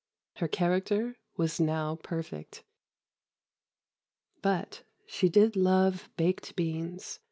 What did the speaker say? Her character was now perfect. But she did love baked beans.